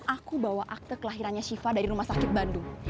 aku bawa akte kelahirannya syifa dari rumah sakit bandung